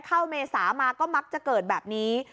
เมษามาก็มักจะเกิดแบบนี้